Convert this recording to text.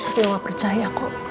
terima percaya aku